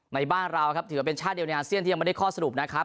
ในบ้านเราครับถือว่าเป็นชาติเดียวในอาเซียนที่ยังไม่ได้ข้อสรุปนะครับ